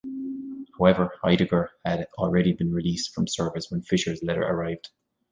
However Heidegger had already been released from service when Fischer's letter arrived.